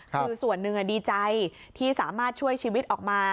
คือส่วนหนึ่งดีใจที่สามารถช่วยชีวิตออกมา